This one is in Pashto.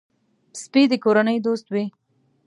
سپي د کورنۍ دوست وي.